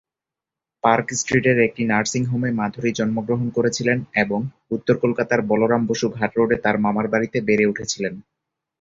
Park স্ট্রিটের একটি nursing হোমে মাধুরী জন্মগ্রহণ করেছিলেন এবং উত্তর কলকাতার বলরাম বসু ঘাট রোডে তাঁর মামার বাড়িতে বেড়ে উঠেছিলেন।